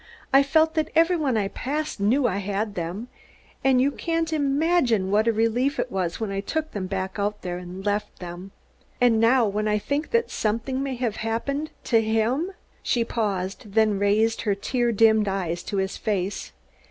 "I felt that every one I passed knew I had them; and you can't imagine what a relief it was when I took them back out there and left them. And now when I think that something may have happened to him!" She paused, then raised her tear dimmed eyes to his face.